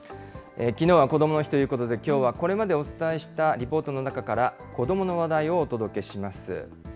きのうはこどもの日ということで、きょうはこれまでお伝えしたリポートの中から、子どもの話題をお届けします。